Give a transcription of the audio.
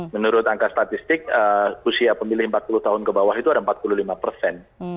menurut angka statistik usia pemilih empat puluh tahun ke bawah itu ada empat puluh lima persen